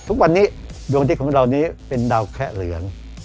ทุกวันนี้ดวงอาทิตย์ของเรานี้เป็นดาวแคะเหลือง